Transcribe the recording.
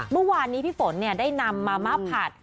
เมื่อวานนี้พี่ฝนได้นำมาม่าผัด